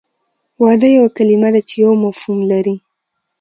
واده یوه کلمه ده چې یو مفهوم لري